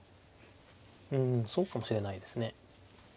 うんそうかもしれないですね。